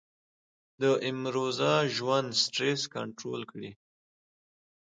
د امروزه ژوند سټرېس کنټرول کړي -